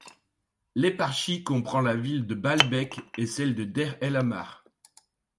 L'éparchie comprend la ville de Baalbek et celle de Deir El Ahmar.